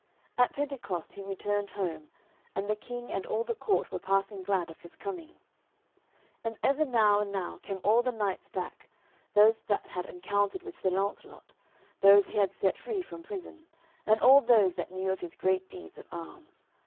At Pentecost he returned home, and the King and all the court were passing glad of his coming. And ever now and now came all the knights back, those that had encountered with Sir Launcelot, those that he had set free from prison, and all those that knew of his great deeds of arms.